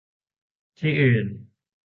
ที่อื่น